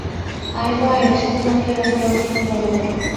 আইন বা আইনের শাসন মানলে এরা সবাই সন্দেহভাজন।